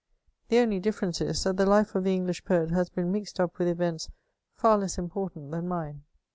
The only difference is, that the life of the Engli^ poet has been nuxed up with events £ar less important than mine.